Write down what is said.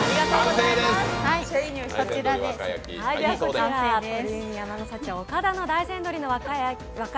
完成です。